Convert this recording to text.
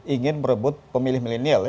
ingin merebut pemilih milenial ya